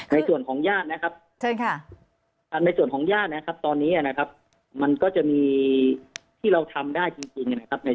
ในส่วนของญาตินะครับเชิญค่ะในส่วนของญาตินะครับตอนนี้นะครับมันก็จะมีที่เราทำได้จริงนะครับ